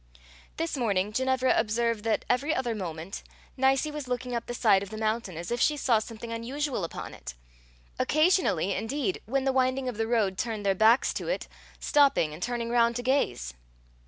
This morning, Ginevra observed that, every other moment, Nicie was looking up the side of the mountain, as if she saw something unusual upon it occasionally, indeed, when the winding of the road turned their backs to it, stopping and turning round to gaze.